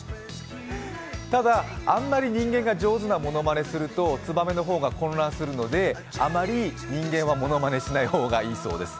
ただ、あまり人間が上手なものまねをするとつばめが混乱するのであまり人間は物真似しない方がいいそうです。